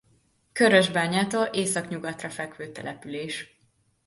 Körösbányától északnyugatra fekvő település.